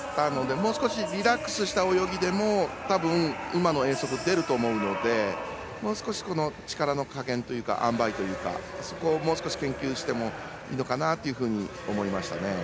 もう少しリラックスした泳ぎでも今の泳速は出ると思うのでもう少し力の加減というかあんばいというかそこをもう少し研究してもいいのかなと思いました。